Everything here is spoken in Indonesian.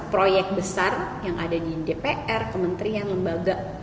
proyek besar yang ada di dpr kementerian lembaga